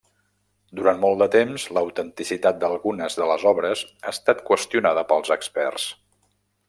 Durant molt de temps, l'autenticitat d'algunes de les obres ha estat qüestionada pels experts.